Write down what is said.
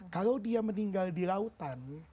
kalau dia meninggal di lautan